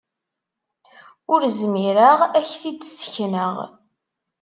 Ur zmireɣ ad ak-t-id-ssekneɣ.